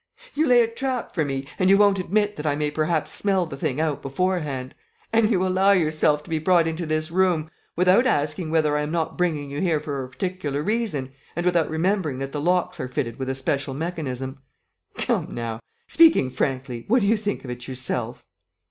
You lay a trap for me and you won't admit that I may perhaps smell the thing out beforehand.... And you allow yourself to be brought into this room without asking whether I am not bringing you here for a particular reason and without remembering that the locks are fitted with a special mechanism. Come now, speaking frankly, what do you think of it yourself?"